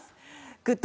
「グッド！